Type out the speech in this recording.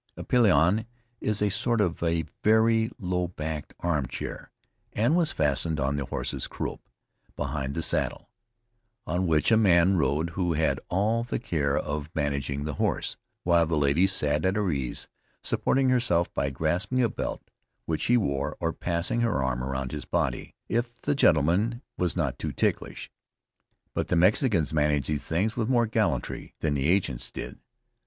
A pillion is a sort of a very low backed arm chair, and was fastened on the horse's croup, behind the saddle, on which a man rode who had all the care of managing the horse, while the lady sat at her ease, supporting herself by grasping a belt which he wore, or passing her arm around his body, if the gentleman was not too ticklish. But the Mexicans manage these things with more gallantry than the ancients did.